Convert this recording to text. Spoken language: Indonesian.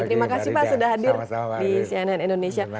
terima kasih pak sudah hadir di cnn indonesia